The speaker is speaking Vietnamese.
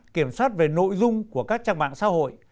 kiểm soát về nội dung của các trang mạng xã hội